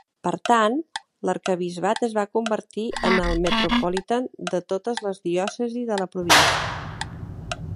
Per tant, l'arquebisbat es va convertir en el Metropolitan de totes les diòcesi de la província.